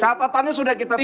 catatannya sudah kita terima